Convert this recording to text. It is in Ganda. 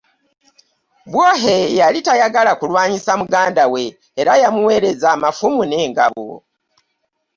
Bwohe yali tayagala kulwanyisa muganda we era yamuweereza amafumu n’engabo.